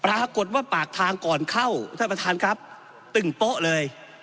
ปรากฏว่าปากทางก่อนเข้าท่านประธานครับตึ้งโป๊ะเลย